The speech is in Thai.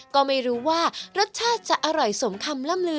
ก็ไม่รู้ว่ารสชาติจะอร่อยสมคำล่ำลือ